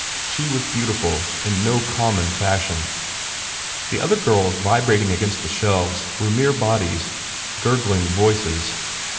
She was beautiful in no common fashion. The other girls vibrating against the shelves were mere bodies, gurgling voices.